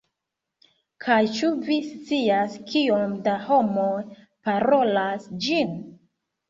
Kaj ĉu vi scias kiom da homoj parolas ĝin?